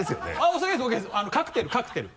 お酒カクテルカクテル。